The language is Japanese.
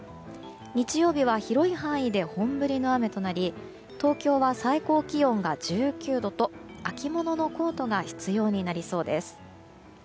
日曜日は広い範囲で本降りの雨となり東京は最高気温が１９度と秋物のコートが必要になりそうです。